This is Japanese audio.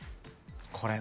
これ。